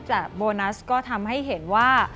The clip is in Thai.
โบนัสก็ทำให้เห็นว่า